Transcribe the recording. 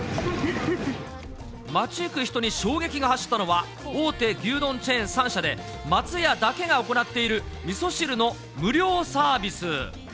街行く人に衝撃が走ったのは、大手牛丼チェーン３社で、松屋だけが行っているみそ汁の無料サービス。